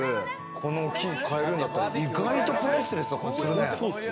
この木、買えるんだったら意外とプライスレスな気がするね。